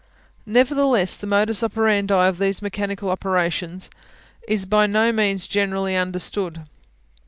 Nevertheless, the modus operandi of these mechanical operations is by no means generally understood.